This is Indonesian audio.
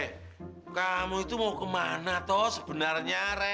hei kamu itu mau kemana toh sebenarnya rek